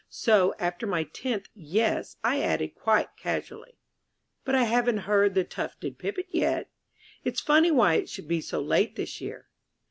So, after my tenth "Yes," I added quite casually: "But I haven't heard the Tufted Pipit yet. It's funny why it should be so late this year."